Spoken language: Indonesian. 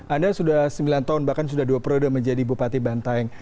anda sudah sembilan tahun bahkan sudah dua periode menjadi bupati bantaeng